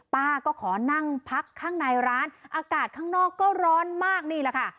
ป้าก็ขอนั่งพักข้างในร้านอากาศข้างนอกก็ร้อนมากนี่แหละค่ะ